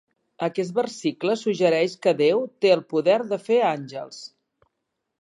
Aquest versicle suggereix que Déu té el poder de fer àngels.